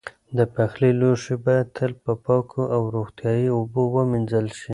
د پخلي لوښي باید تل په پاکو او روغتیایي اوبو ومینځل شي.